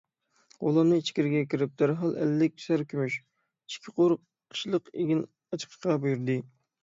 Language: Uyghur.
غۇلامنى ئىچكىرىگە كىرىپ دەرھال ئەللىك سەر كۈمۈش، ئىككى قۇر قىشلىق ئېگىن ئاچىقىشقا بۇيرۇدى.